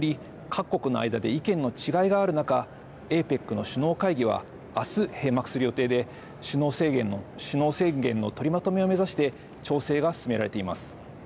各国の間で意見の違いがある中ＡＰＥＣの首脳会議は明日、閉幕する予定で首脳宣言の取りまとめを目指して調整が進められています。